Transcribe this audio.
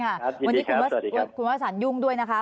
ครับยินดีครับสวัสดีครับวันนี้คุณวัฒนยุ่งด้วยนะคะ